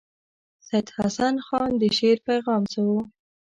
سید حسن خان د شعر پیغام څه وو.